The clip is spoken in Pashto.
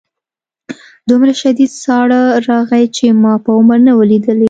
دومره شدید ساړه راغی چې ما په عمر نه و لیدلی